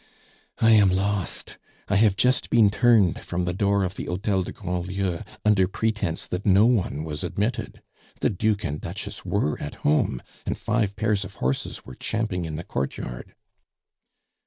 "I am lost! I have just been turned from the door of the Hotel de Grandlieu under pretence that no one was admitted. The Duke and Duchess were at home, and five pairs of horses were champing in the courtyard."